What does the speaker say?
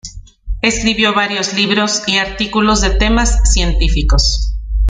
Escribió varios libros y artículos de temas científicos.